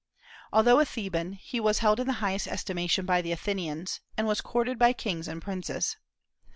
Although a Theban, he was held in the highest estimation by the Athenians, and was courted by kings and princes.